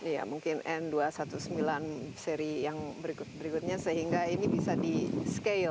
iya mungkin n dua ratus sembilan belas seri yang berikutnya sehingga ini bisa di scale